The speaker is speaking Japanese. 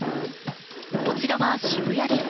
こちらは渋谷です。